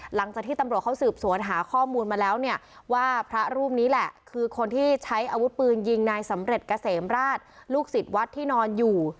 หลังจากที่ตำรวจเขาสืบสวนหาข้อมูลมาแล้วเนี่ยว่าพระรูปนี้แหละคือคนที่ใช้อาวุธปืนยิงนายสำเร็จเกษมราชลูกศิษย์วัดที่นอนอยู่